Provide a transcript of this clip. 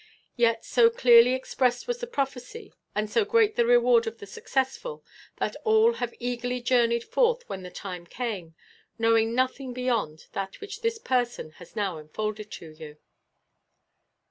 Yet so clearly expressed was the prophecy, and so great the reward of the successful, that all have eagerly journeyed forth when the time came, knowing nothing beyond that which this person has now unfolded to you."